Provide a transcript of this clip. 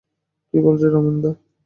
কী বলছ রমেনদা!